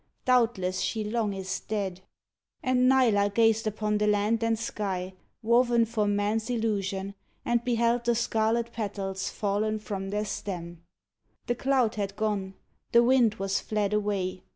Doubtless she long is dead." And Nila gazed upon the land and sky. Woven for man's illusion, and beheld The scarlet petals fallen from their stem. The cloud had gone; the wind was fled away.